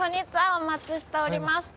お待ちしておりました。